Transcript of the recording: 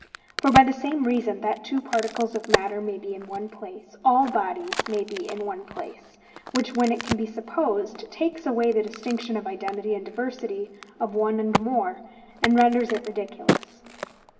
For, by the same reason that two particles of matter may be in one place, all bodies may be in one place: which, when it can be supposed, takes away the distinction of identity and diversity of one and more, and renders it ridiculous.